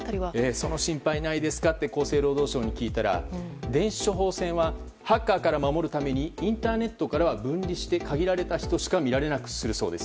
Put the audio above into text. その心配はないですかと厚生労働省に聞いたら電子処方箋はハッカーから守るためにインターネットからは分離して限られた人しか見られなくするそうです。